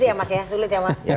sulit ya mas